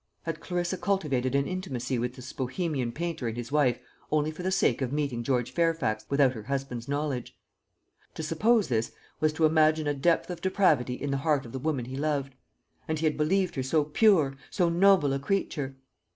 Had Clarissa cultivated an intimacy with this Bohemian painter and his wife only for the sake of meeting George Fairfax without her husband's knowledge? To suppose this was to imagine a depth of depravity in the heart of the woman he loved. And he had believed her so pure, so noble a creature.